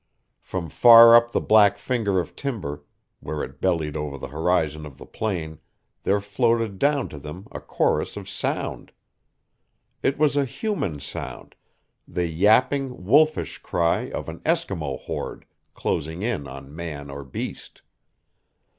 From far up the black finger of timber where it bellied over the horizon of the plain there floated down to them a chorus of sound. It was a human sound the yapping, wolfish cry of an Eskimo horde closing in on man or beast.